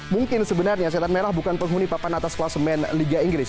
mungkin sebenarnya setan merah bukan penghuni papan atas kelas main liga inggris